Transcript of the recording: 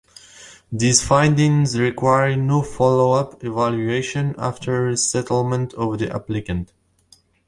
These findings require no follow-up evaluation after resettlement of the applicant.